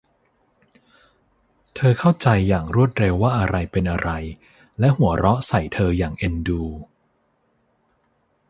เธอเข้าใจอย่างรวดเร็วว่าอะไรเป็นอะไร และหัวเราะใส่เธออย่างเอ็นดู